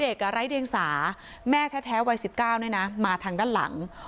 ไร้เดียงสาแม่แท้วัย๑๙มาทางด้านหลัง